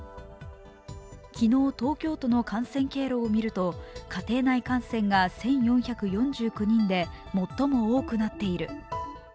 昨日、東京都の感染経路を見ると家庭内感染が１４４９人で最も多くなっている。